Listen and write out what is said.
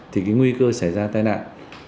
thì cái nguy cơ xảy ra tai nạn